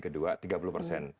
kedua tiga puluh persen